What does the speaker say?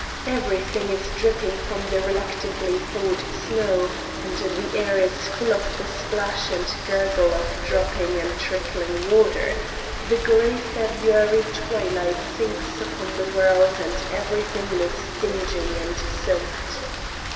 Everything is dripping from the recently thawed snow, and the air is full of the splash and gurgle of dropping and trickling water; the grey February twilight sinks upon the world and everything looks dingy and soaked.